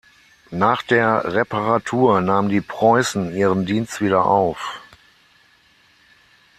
Nach der Reparatur nahm die "Preußen" ihren Dienst wieder auf.